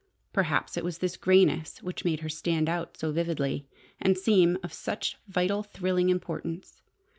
Perhaps it was this greyness which made her stand out so vividly, and seem of such vital, thrilling importance.